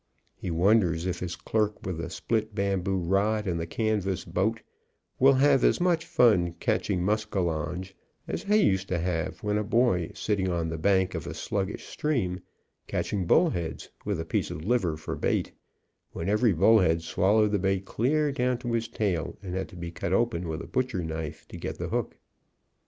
He wonders if his clerks with the split bamboo rod and the canvas boat, will have as much fun catching muscalonge as he used to have when a boy, sitting on the bank of a sluggish stream, catch ing bullheads, with a piece of liver for bait, when every bullhead swallowed the bait clear down to his tail and had to be cut open with a butcher knife to get the hook.